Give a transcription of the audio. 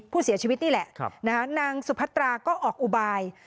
ผู้เสียชีวิตนี่แหละนางสุพัตราก็ออกอุบาย